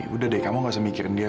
udah deh kamu gak usah mikirin dia